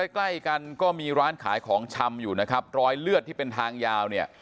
ใกล้กันก็มีร้านขายของชำอยู่นะครับรอยเลือดที่เป็นทางยาวเนี่ย